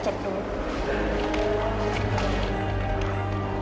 saya akan cek dulu